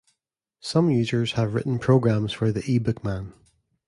Some users have written programs for the eBookMan.